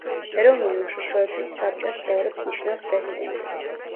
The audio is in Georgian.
ეროვნული უშიშროების საბჭოს წევრებს ნიშნავს პრეზიდენტი.